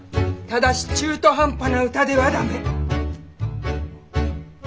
ただし中途半端な歌では駄目。